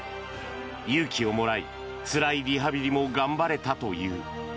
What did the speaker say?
勇気をもらい、つらいリハビリも頑張れたという。